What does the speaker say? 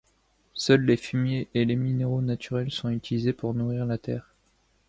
Seuls les fumiers et les minéraux naturels sont utilisés pour nourrir la terre.